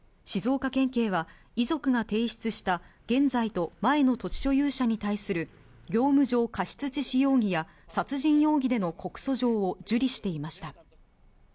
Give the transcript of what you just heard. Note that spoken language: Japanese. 静岡県警は遺族が提出した現在と前の土地所有者に対する業務上過失致死容疑や殺人容疑での告訴状を受理していました。